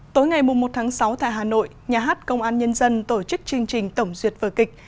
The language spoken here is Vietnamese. tối ngày một tháng sáu tại hà nội nhà hát công an nhân dân tổ chức chương trình tổng duyệt vở kịch